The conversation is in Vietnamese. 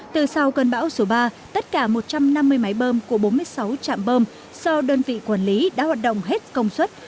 từ sau cơn bão số ba tất cả một trăm năm mươi máy bơm của bốn mươi sáu trạm bơm do đơn vị quản lý đã hoạt động hết công suất